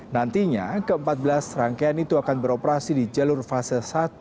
nantinya ke empat belas rangkaian itu akan beroperasi di jalur fase satu